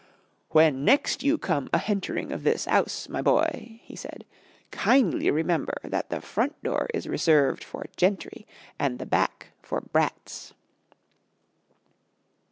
"When next you come a hentering of this 'ouse, my boy," he said, "kindly remember that the front door is reserved for gentry an' the back for brats."